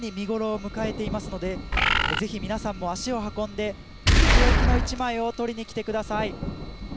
今まさに見頃を迎えていますのでぜひ、皆さんも足を運んでとっておきの一枚を撮りに来てください。